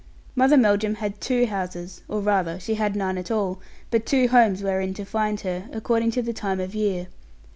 Mother Melldrum had two houses, or rather she had none at all, but two homes wherein to find her, according to the time of year.